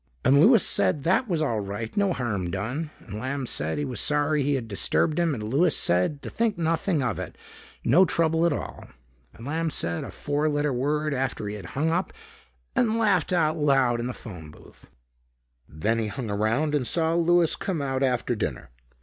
And Louis said that was all right, no harm done. And Lamb said he was sorry he had disturbed him and Louis said to think nothing of it, no trouble at all. And Lamb said a four letter word after he had hung up and laughed out loud in the phone booth. Then he hung around and saw Louis come out after dinner.